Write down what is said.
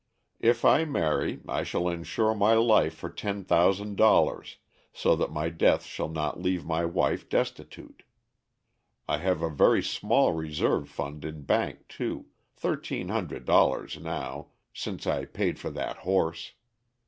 If I marry, I shall insure my life for ten thousand dollars, so that my death shall not leave my wife destitute. I have a very small reserve fund in bank too thirteen hundred dollars now, since I paid for that horse.